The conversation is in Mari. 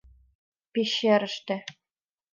Пещерыште